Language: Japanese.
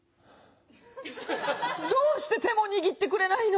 どうして手も握ってくれないの？